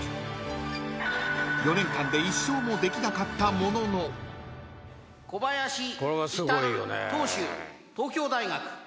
［４年間で一勝もできなかったものの］小林至投手東京大学。